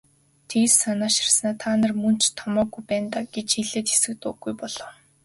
Тэгж санааширснаа "Та нар мөн ч томоогүй байна даа" гэж хэлээд хэсэг дуугүй болов.